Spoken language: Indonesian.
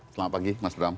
selamat pagi mas bram